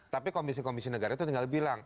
tapi komisi komisi negara itu tinggal bilang